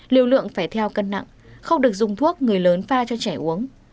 liều lượng phải theo cân nặng không được dùng thuốc người lớn pha cho trẻ uống